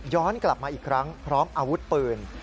กลับมาอีกครั้งพร้อมอาวุธปืน